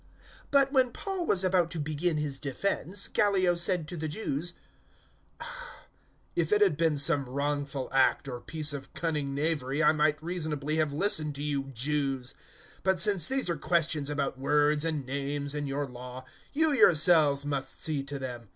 018:014 But, when Paul was about to begin his defence, Gallio said to the Jews, "If it had been some wrongful act or piece of cunning knavery I might reasonably have listened to you Jews. 018:015 But since these are questions about words and names and your Law, you yourselves must see to them.